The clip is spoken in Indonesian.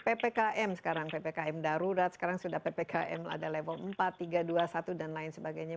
ppkm sekarang ppkm darurat sekarang sudah ppkm ada level empat tiga dua satu dan lain sebagainya